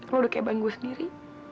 kalau udah kayak bang gue sendiri